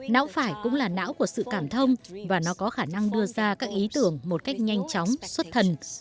não phải cũng là não của sự cảm thông và nó có khả năng đưa ra các ý tưởng một cách nhanh chóng xuất thần